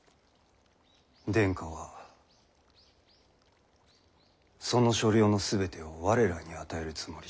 殿下はその所領の全てを我らに与えるつもりじゃ。